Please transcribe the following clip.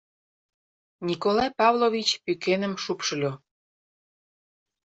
Николай Павлович пӱкеным шупшыльо.